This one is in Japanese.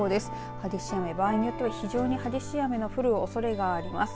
激しい雨、場合によっては非常に激しい雨の降るおそれがあります。